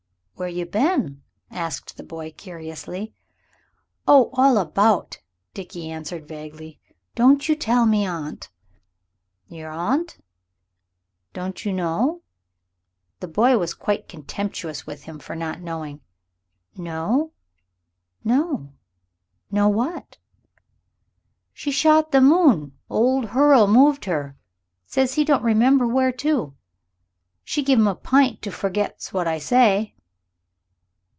"Where you been?" asked the boy curiously. "Oh, all about," Dickie answered vaguely. "Don't you tell me aunt." "Yer aunt? Don't you know?" The boy was quite contemptuous with him for not knowing. "Know? No. Know what?" "She shot the moon old Hurle moved her; says he don't remember where to. She give him a pint to forget's what I say."